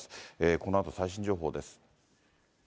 このあと最新情報です。